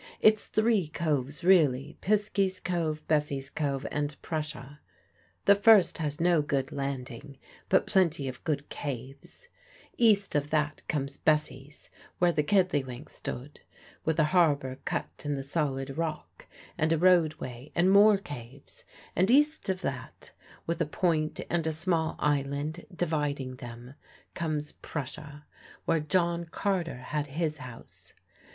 It's three coves really; Pisky's Cove, Bessie's Cove, and Prussia. The first has no good landing, but plenty of good caves; east of that comes Bessie's, where the Kiddlywink stood, with a harbour cut in the solid rock, and a roadway, and more caves; and east of that, with a point and a small island dividing them, comes Prussia, where John Carter had his house.